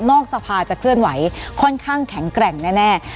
สภาจะเคลื่อนไหวค่อนข้างแข็งแกร่งแน่